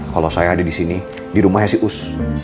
kalau saya ada di sini di rumahnya si us